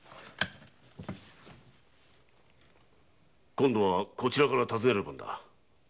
今度はこちらから尋ねる番だ。